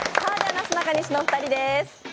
なすなかにしのお二人です。